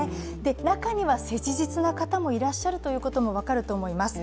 中には切実な方もいらっしゃるということも分かると思います。